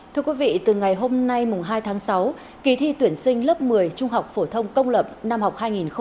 thưa quý vị từ ngày hôm nay hai tháng sáu kỳ thi tuyển sinh lớp một mươi trung học phổ thông công lập năm học hai nghìn hai mươi hai nghìn hai mươi